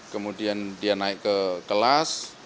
kemudian dia naik ke kelas